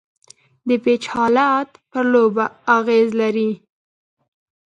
د پيچ حالت پر لوبه اغېز لري.